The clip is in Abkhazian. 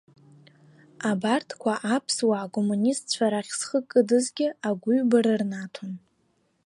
Абарҭқәа, аԥсуаа, акоммунистцәа рахь зхы кыдызгьы, агәыҩбара рнаҭон.